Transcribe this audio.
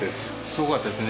すごかったですね